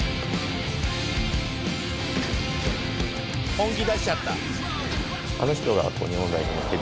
本気出しちゃった。